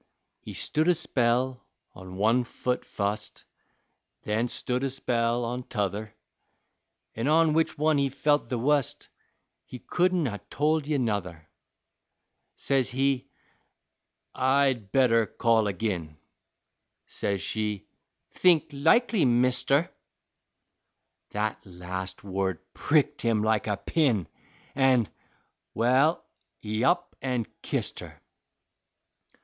He stood a spell on one foot fust, Then stood a spell on t'other. An' on which one he felt the wust He couldn't ha' told ye nuther. Says he, "I'd better call agin;" Says she, "Think likely, Mister:" Thet last word pricked him like a pin, An' Wal, he up an' kist her.